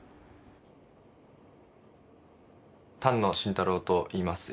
丹野晋太郎といいます。